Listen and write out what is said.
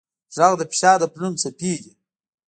غږ د فشار د بدلون څپې دي.